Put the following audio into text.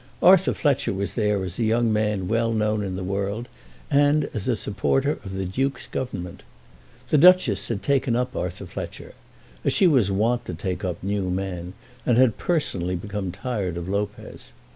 Arthur Fletcher was there as a young man well known in the world, and as a supporter of the Duke's Government. The Duchess had taken up Arthur Fletcher, as she was wont to take up new men, and had personally become tired of Lopez.